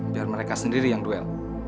biar mereka sendiri yang duel